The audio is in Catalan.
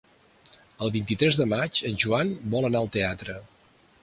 El vint-i-tres de maig en Joan vol anar al teatre.